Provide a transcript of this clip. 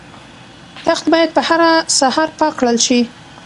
تخت باید په هره سهار پاک کړل شي.